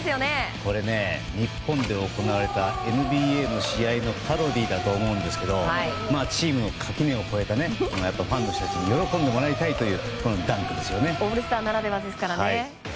これね、日本で行われたＮＢＡの試合のパロディーだと思うんですけどチームの垣根を越えたファンの人たちに喜んでもらいたいというプレーですよね。